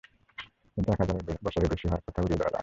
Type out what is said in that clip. কিন্তু এক হাজার বছরের বেশি হওয়ার কথাও উড়িয়ে দেয়া যায় না।